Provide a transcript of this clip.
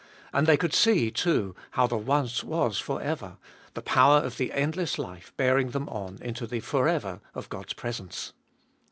And they could see, too, how the once was for ever — the power of the endless life bearing them on into the for ever of God's presence.